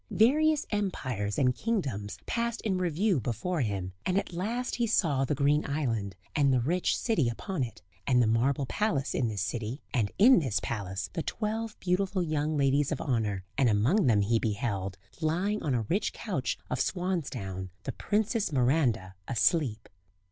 Various empires and kingdoms passed in review before him; and at last he saw the green island, and the rich city upon it; and the marble palace in this city, and in this palace the twelve beautiful young ladies of honour, and among them he beheld, lying on a rich couch of swansdown, the Princess Miranda asleep.